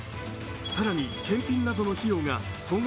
更に検品などの費用が総額